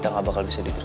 eh aduh gak memerlukan